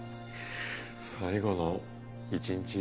最後の一日